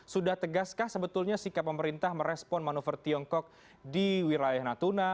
sudah tegaskah sebetulnya sikap pemerintah merespon manuver tiongkok di wilayah natuna